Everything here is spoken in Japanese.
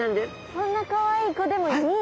そんなかわいい子でも２位。